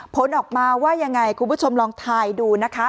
ผลออกมาว่ายังไงคุณผู้ชมลองทายดูนะคะ